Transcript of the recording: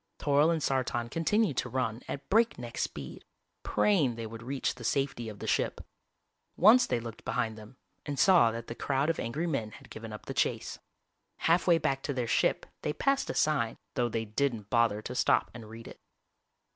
Toryl and Sartan continued to run at breakneck speed, praying they would reach the safety of the ship. Once they looked behind them and saw that the crowd of angry men had given up the chase. Halfway back to their ship they passed a sign, though they didn't bother to stop and read it.